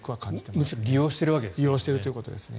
むしろ利用しているわけですかね。